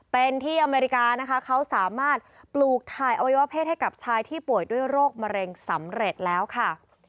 เป็นที่อเมริกานะคะเขาสามารถปลูกถ่ายอวัยวะเพศให้กับชายที่ป่วยด้วยโรคมะเร็งสำเร็จแล้วค่ะ